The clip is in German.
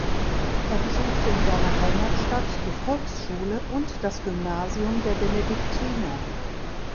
Er besuchte in seiner Heimatstadt die Volksschule und das Gymnasium der Benediktiner.